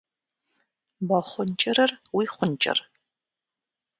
Мо хъун кӏырыр уи хъун кӏыр?